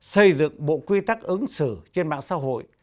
xây dựng bộ quy tắc ứng xử trên mạng xã hội